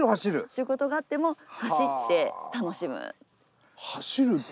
仕事があっても走って楽しむ。